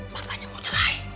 makanya mau cerai